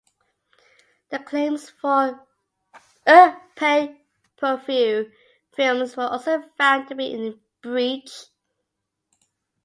The claims for pay-per-view films were also found to be in breach.